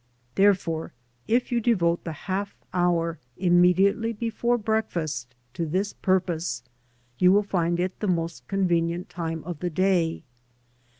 Therefore, if you devote the half hour immediately before breakfast to this purpose, you will find it the most convenient time of the day.